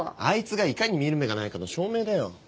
あいつがいかに見る目がないかの証明だよ。